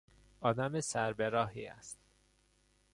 آدم سر به راهی است.